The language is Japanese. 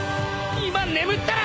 今眠ったら